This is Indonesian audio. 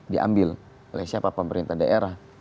diambil oleh siapa pemerintah daerah